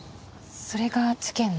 それが事件の？